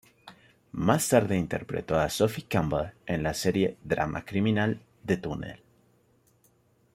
Más tarde interpretó a Sophie Campbell en la serie de drama-criminal "The Tunnel".